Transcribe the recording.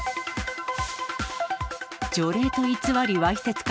除霊と偽りわいせつか。